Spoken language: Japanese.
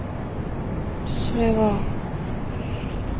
それは。